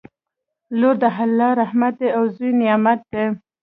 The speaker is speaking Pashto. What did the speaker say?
لور د الله رحمت دی او زوی نعمت دی